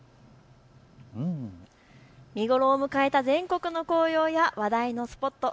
見頃を迎えた全国の紅葉や話題のスポット。